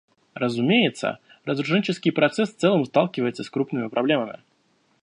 Разумеется, разоруженческий процесс в целом сталкивается с крупными проблемами.